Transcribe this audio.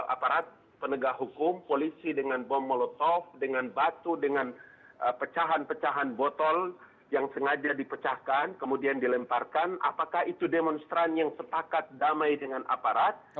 aparat penegak hukum polisi dengan bom molotov dengan batu dengan pecahan pecahan botol yang sengaja dipecahkan kemudian dilemparkan apakah itu demonstran yang sepakat damai dengan aparat